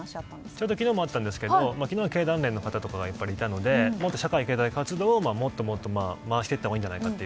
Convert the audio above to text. ちょうど昨日もあったんですが昨日は経団連の方がいたので経済社会活動をもっともっと回していったほうがいいんじゃないかと。